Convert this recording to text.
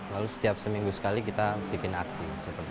lalu setiap seminggu sekali kita bikin aksi